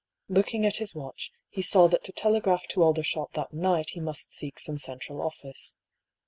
Looking at his watch, he saw that to telegraph to Aldershot that night he must seek some central office.